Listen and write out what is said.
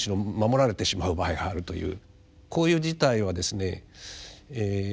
こういう事態はですねえ